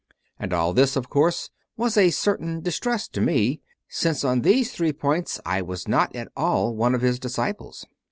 And all this, of course, was a certain distress to me, since on those three points I was not at all one of his disciples.)